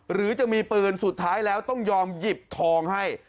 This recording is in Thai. หรือจะมีปืนสุดท้ายแล้วต้องยอมหยิบทองให้